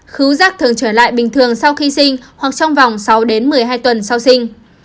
khíu giác thường trở lại bình thường sau khi sinh hoặc trong vòng sáu một mươi hai tuần sau sinh